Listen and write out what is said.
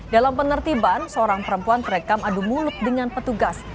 dalam penertiban seorang perempuan terekam adu mulut dengan petugas